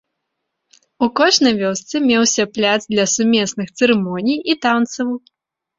У кожнай вёсцы меўся пляц для сумесных цырымоній і танцаў.